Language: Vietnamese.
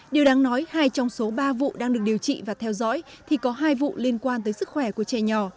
điều đáng nói hai trong số ba vụ đang được điều trị và theo dõi thì có hai vụ liên quan tới sức khỏe của trẻ nhỏ